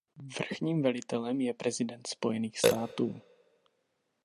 Vrchním velitelem je prezident Spojených států.